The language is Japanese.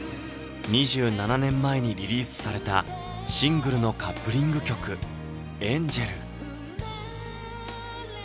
２７年前にリリースされたシングルのカップリング曲「Ａｎｇｅｌ」